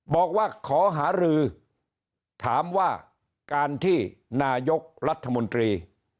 บอกว่าขอหารือถามว่าการที่นายกรัฐมนตรี